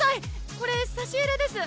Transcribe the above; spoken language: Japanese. これさし入れです